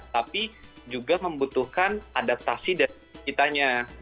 tapi juga membutuhkan adaptasi dari kitanya